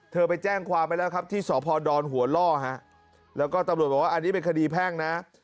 ไปแจ้งความไปแล้วครับที่สพดหัวล่อฮะแล้วก็ตำรวจบอกว่าอันนี้เป็นคดีแพ่งนะ